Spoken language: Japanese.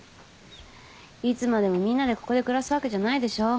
いつまでもみんなでここで暮らすわけじゃないでしょ。